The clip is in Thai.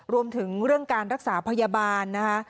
รวมถึงเรื่องการรักษาพยาบาลนะคะ